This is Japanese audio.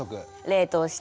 冷凍して。